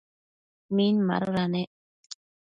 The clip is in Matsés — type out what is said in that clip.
Min madoda nec ?